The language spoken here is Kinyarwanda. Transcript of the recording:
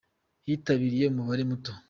Hitabiriye umubare muto.